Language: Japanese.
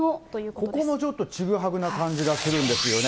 ここもちょっとちぐはぐな感じがするんですよね。